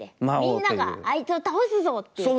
「みんながあいつを倒すぞ！」っていう感じ。